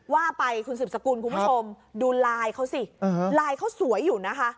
ว่าไปคุณสืบสกุลคุณผู้ชมดูไลน์เขาสิไลน์เขาสวยอยู่นะคะ